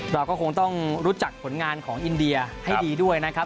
เราก็คงต้องรู้จักผลงานของอินเดียให้ดีด้วยนะครับ